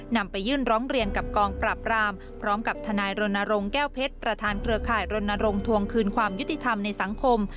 นำไปยื่นร้องเรียนกับกองปราบรามพร้อมกับทนายรณรงค์แก้วเพชรประธานเครือข่ายรณรงควงคืนความยุติธรรมในสังคม